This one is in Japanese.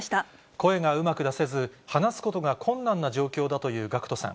声がうまく出せず、話すことが困難な状況だというＧＡＣＫＴさん。